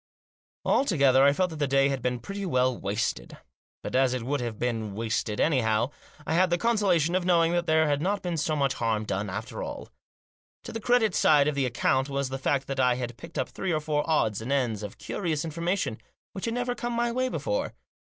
Altogether, I felt that the day had been pretty well wasted. But as it would probably have been wasted anyhow, I had the consolation of knowing that there had not been so much harm done after all. To the credit side of the account was the fact that I had picked up three or four odds and ends of curious information which had never come my way before.